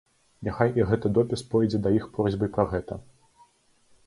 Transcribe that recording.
Няхай і гэты допіс пойдзе да іх просьбай пра гэта.